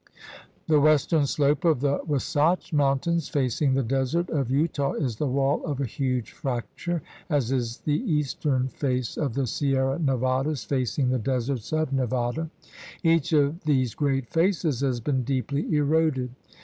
The western slope of the Wasatch Mountains facing the desert of Utah is the wall of a huge fracture, as is the eastern face of the Sierra Nevadas facing the deserts of Nevada. Each of these great faces has been deeply eroded.